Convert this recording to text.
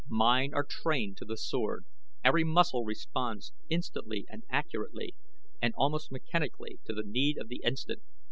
Mine are trained to the sword every muscle responds instantly and accurately, and almost mechanically, to the need of the instant.